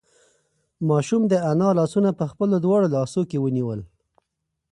ماشوم د انا لاسونه په خپلو دواړو لاسو کې ونیول.